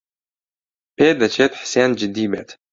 پێدەچێت حسێن جددی بێت.